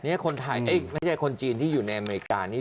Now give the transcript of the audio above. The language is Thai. ทีนี้คนจีนที่อยู่ในอเมริกานี่